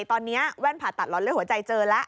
ตอนนี้แว่นผ่าตัดหลอดเลือดหัวใจเจอแล้ว